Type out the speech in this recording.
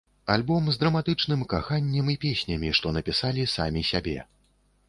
Альбом з драматычным каханнем і песнямі, што напісалі самі сябе.